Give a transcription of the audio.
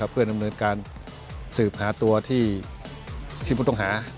เพื่อดำเนินการสืบหาตัวที่ผู้ต้องหา